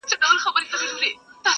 چي کیسې اورم د هیوادونو -